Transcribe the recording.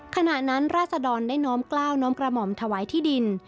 ขณะนั้นราศดรได้น้อมกล้าวน้อมกระหม่อมถวายที่ดิน